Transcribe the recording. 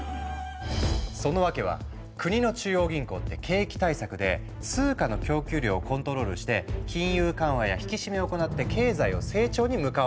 その訳は国の中央銀行って景気対策で通貨の供給量をコントロールして金融緩和や引き締めを行って経済を成長に向かわせているの。